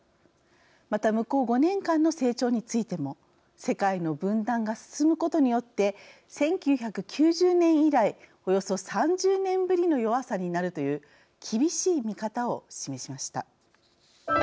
また向こう５年間の成長についても世界の分断が進むことによって１９９０年以来およそ３０年ぶりの弱さになるという厳しい見方を示しました。